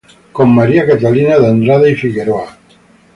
Con María Catalina de Andrade y Figueroa.